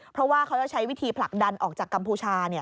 เพราะว่าเขาจะใช้วิธีผลักดันออกจากกัมพูชา